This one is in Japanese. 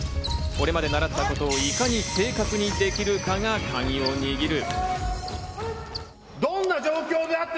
これまで習ったことをいかに正確にできるかがカギを握る。